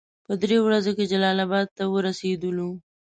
په دریو ورځو کې جلال اباد ته ورسېدلو.